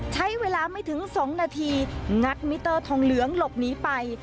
ใช้เวลาไม่ถึง๒นาทีงัดมิเตอร์ทองเหลืองหลบหนีไป